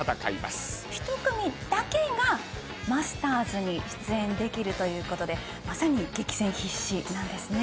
一組だけが『マスターズ』に出演できるということでまさに激戦必至なんですね。